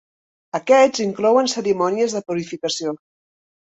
Aquests inclouen cerimònies de purificació.